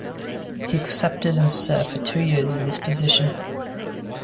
He accepted and served for two years in this position.